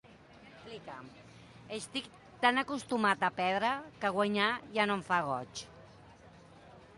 Estic tan acostumat a perdre que guanyar ja no em fa goig.